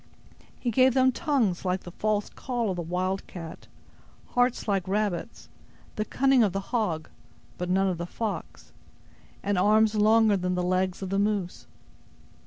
He gave them tongues like the false call of the wildcat; hearts like rabbits; the cunning of the hog (but none of the fox), and arms longer than the legs of the moose.